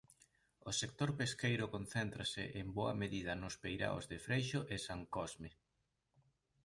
O sector pesqueiro concéntrase en boa medida nos peiraos de Freixo e San Cosme.